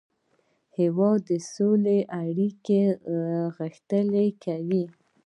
هېواد د سولې اړیکې غښتلې کوي.